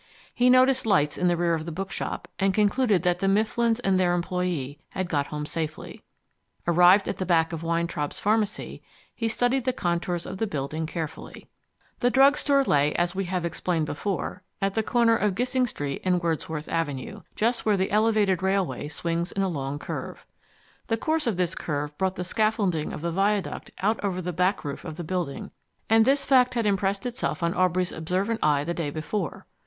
He noticed lights in the rear of the bookshop, and concluded that the Mifflins and their employee had got home safely. Arrived at the back of Weintraub's pharmacy, he studied the contours of the building carefully. The drug store lay, as we have explained before, at the corner of Gissing Street and Wordsworth Avenue, just where the Elevated railway swings in a long curve. The course of this curve brought the scaffolding of the viaduct out over the back roof of the building, and this fact had impressed itself on Aubrey's observant eye the day before.